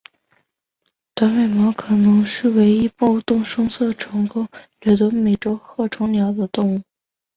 短尾猫可能是唯一能不动声色成功掠食美洲鹤成鸟的动物。